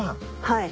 はい。